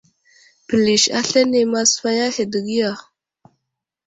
Pəlis aslane masfay ahe dəgiya.